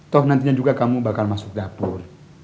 toh nantinya juga kamu bakal masuk dapur